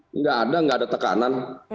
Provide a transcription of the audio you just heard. tidak ada tidak ada tekanan